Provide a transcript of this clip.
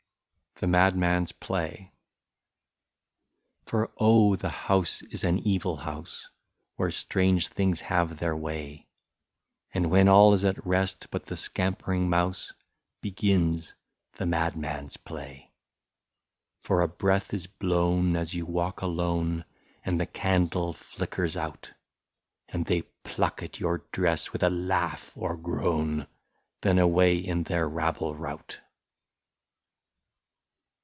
6o THE MADMAN'S PLAY. For oh ! the house is an evil house, Where strange things have their way, And when all is at rest but the scampering mouse, Begins the madman's play. For a breath is blown as you walk alone. And the candle flickers out ; And they pluck at your dress with a laugh or groan,— Then away in their rabble rout.